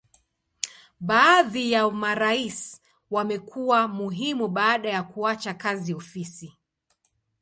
Baadhi ya marais wamekuwa muhimu baada ya kuacha kazi ofisi.